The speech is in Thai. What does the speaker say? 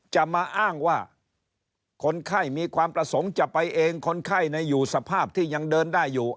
จะมาอ้างว่าคนไข้มีความประสงค์จะไปเองคนไข้อยู่สภาพที่ยังเดินได้อยู่